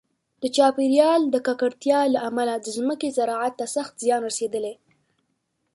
د چاپیریال د ککړتیا له امله د ځمکې زراعت ته سخت زیان رسېدلی.